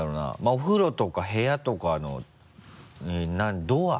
お風呂とか部屋とかのドア。